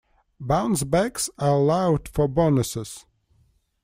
Bouncebacks are allowed for bonuses.